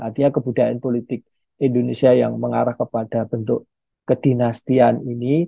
artinya kebudayaan politik indonesia yang mengarah kepada bentuk kedinastian ini